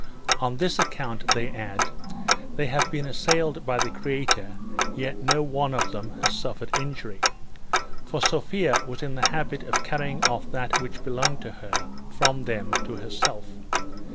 On this account, they add, they have been assailed by the Creator, yet no one of them has suffered injury. For Sophia was in the habit of carrying off that which belonged to her from them to herself.